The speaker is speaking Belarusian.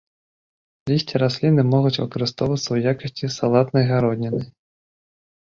Лісце расліны могуць выкарыстоўвацца ў якасці салатнай гародніны.